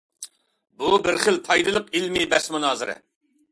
بۇ، بىر خىل پايدىلىق ئىلمىي بەس-مۇنازىرە.